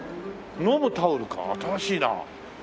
飲むタオルか新しいな。